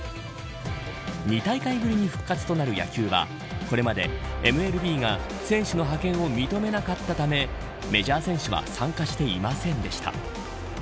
２大会ぶりに復活となる野球はこれまでＭＬＢが選手の派遣を認めなかったためメジャー選手は参加していませんでした。